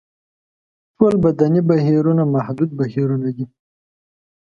ټول بدني بهیرونه محدود بهیرونه دي.